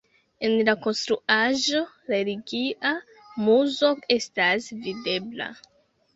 En la konstruaĵo religia muzo estas videbla.